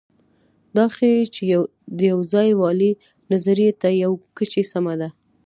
دا ښيي، چې د یوځایوالي نظریه تر یوې کچې سمه ده.